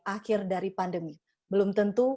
akhir dari pandemi belum tentu